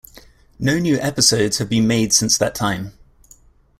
No new episodes have been made since that time.